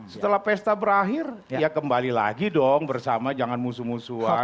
setelah pesta berakhir ya kembali lagi dong bersama jangan musuh musuhan